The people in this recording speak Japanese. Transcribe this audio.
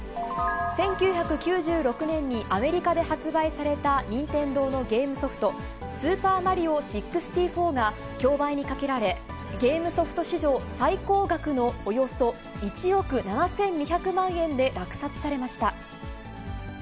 １９９６年にアメリカで発売された任天堂のゲームソフト、スーパーマリオ６４が、競売にかけられ、ゲームソフト史上最高額のおよそ１億７２００万円で落札されました。